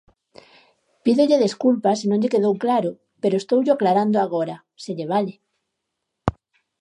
Pídolle desculpas se non lle quedou claro, pero estoullo aclarando agora, se lle vale.